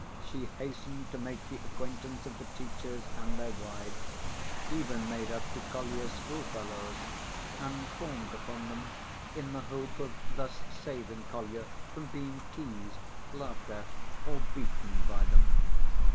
She hastened to make the acquaintance of the teachers and their wives, even made up to Kolya's schoolfellows, and fawned upon them in the hope of thus saving Kolya from being teased, laughed at, or beaten by them.